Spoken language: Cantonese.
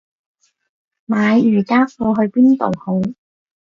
買瑜伽褲去邊度好